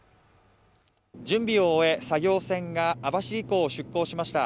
準備を終え、作業船が網走港を出港しました。